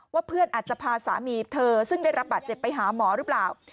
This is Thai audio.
เพื่อนอาจจะพาสามีเธอซึ่งได้รับบาดเจ็บไปหาหมอหรือเปล่า